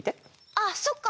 ああそっか。